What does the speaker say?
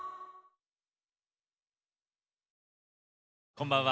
こんばんは。